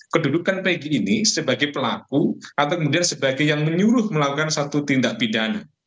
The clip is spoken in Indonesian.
kedudukan pg ini sebagai pelaku atau kemudian sebagai yang menyuruh melakukan satu tindak pidana